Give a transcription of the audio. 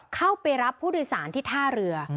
เข้าไปรับผู้โดยสารที่ท่าเรือ